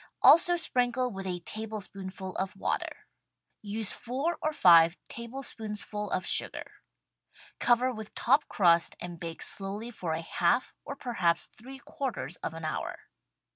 Also sprinkle with a tablespoonful of water. Use four or five tablespoonsful of sugar. Cover with top crust and bake slowly for a half, or perhaps three quarters of an hour.